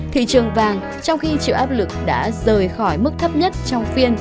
thị trường vàng trong khi chịu áp lực đã rời khỏi mức thấp nhất trong phiên